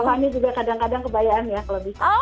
soalnya juga kadang kadang kebayaan ya kalau bisa